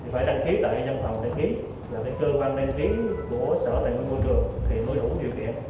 phải đăng ký tại dân phòng đăng ký